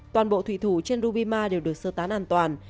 toàn bộ thủy thủ trên rubima đều được sơ tán an toàn